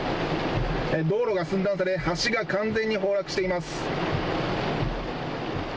道路が寸断され橋が完全に崩落しています。